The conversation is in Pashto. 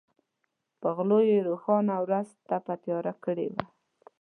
په غلو یې روښانه ورځ تپه تیاره کړې وه.